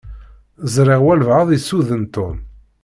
Ẓṛiɣ walebɛaḍ issuden Tom.